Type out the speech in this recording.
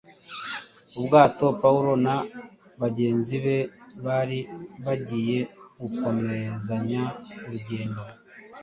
Ubwato Pawulo na bagenzi be bari bagiye gukomezanya urugendo